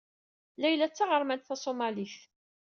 Layla d taɣermant taṣumalit.